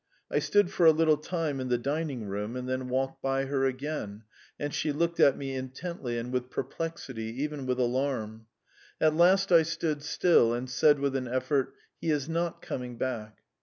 I stood for a little time in the dining room and then walked by her again, and she looked at me intently and with perplexity, even with alarm. At last I stood still and said with an effort: "He is not coming back."